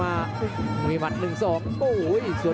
พยาบกระแทกมัดเย็บซ้าย